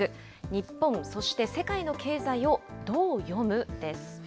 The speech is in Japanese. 日本、そして世界の経済をどう読むです。